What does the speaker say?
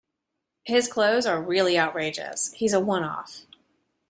His clothes are really outrageous. He's a one-off